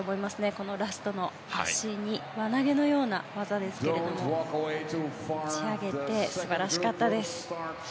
このラストは輪投げのような技ですけれども持ち上げて素晴らしかったです。